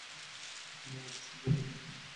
না, আমার সব বন্ধী লাগবে।